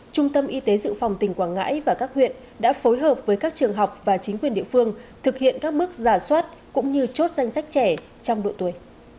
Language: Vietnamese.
trung tâm y tế dự phòng tỉnh quảng ngãi và các huyện đã phối hợp với các trường học và chính quyền địa phương thực hiện các bước giả soát cũng như chốt danh sách trẻ trong độ tuổi